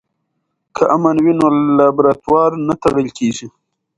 که امن وي نو لابراتوار نه تړل کیږي.